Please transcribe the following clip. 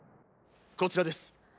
こちらです。